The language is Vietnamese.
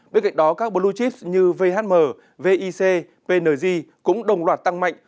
bên cạnh đó các blue chips như vhm vic pnz cũng đồng loạt tăng mạnh